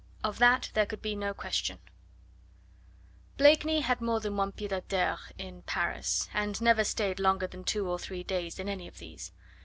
OF THAT THERE COULD BE NO QUESTION Blakeney had more than one pied a terre in Paris, and never stayed longer than two or three days in any of these.